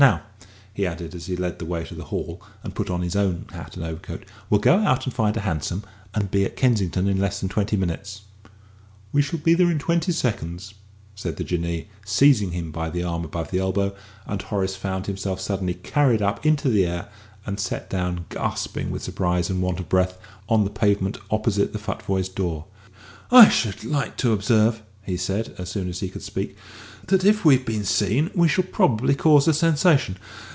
Now," he added, as he led the way to the hall and put on his own hat and overcoat, "we'll go out and find a hansom and be at Kensington in less than twenty minutes." "We shall be there in less than twenty seconds," said the Jinnee, seizing him by the arm above the elbow; and Horace found himself suddenly carried up into the air and set down, gasping with surprise and want of breath, on the pavement opposite the Futvoyes' door. "I should just like to observe," he said, as soon as he could speak, "that if we've been seen, we shall probably cause a sensation.